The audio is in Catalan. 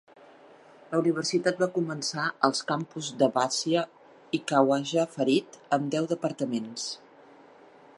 La Universitat va començar als campus de Abbasia i Khawaja Fareed amb deu departaments.